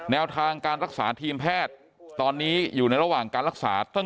แนวทางการรักษาทีมแพทย์ตอนนี้อยู่ในระหว่างการรักษาตั้ง